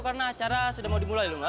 karena acara sudah mau dimulai lho mbak